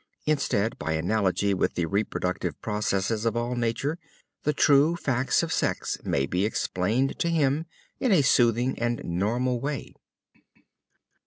Instead, by analogy with the reproductive processes of all nature, the true facts of sex may be explained to him in a soothing and normal way.